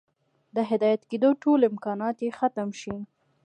د هدايت كېدو ټول امكانات ئې ختم شي